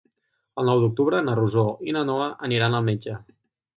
El nou d'octubre na Rosó i na Noa aniran al metge.